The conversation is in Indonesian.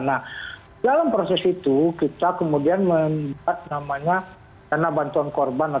nah dalam proses itu kita kemudian membuat namanya dana bantuan korban